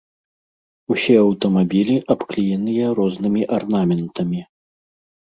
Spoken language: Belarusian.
Усе аўтамабілі абклееныя рознымі арнаментамі.